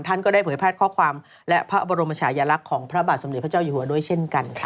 ท่านก็ได้เผยแพร่ข้อความและพระบรมชายลักษณ์ของพระบาทสมเด็จพระเจ้าอยู่หัวด้วยเช่นกันค่ะ